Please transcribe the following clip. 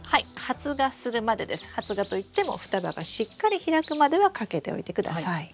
発芽といっても双葉がしっかり開くまではかけておいてください。